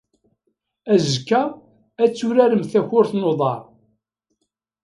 Azekka, ad turaremt takurt n uḍar.